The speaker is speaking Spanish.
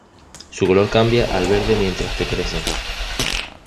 Su color cambia al verde mientras que crecen.